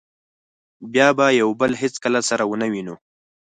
بیا به یو بل هېڅکله سره و نه وینو.